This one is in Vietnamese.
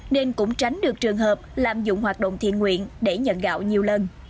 nên cũng tránh được trường hợp lạm dụng hoạt động thiện nguyện để nhận gạo nhiều lần